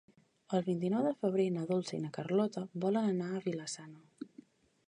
El vint-i-nou de febrer na Dolça i na Carlota volen anar a Vila-sana.